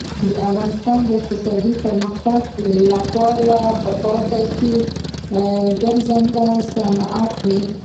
د افغانستان د اقتصادي پرمختګ لپاره پکار ده چې ګرځندوی صنعت وي.